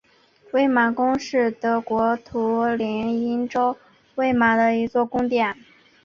魏玛宫是德国图林根州魏玛的一座宫殿。